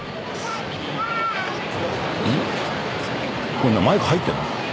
これマイク入ってるの？